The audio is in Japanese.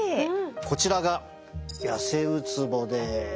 こちらがヤセウツボです。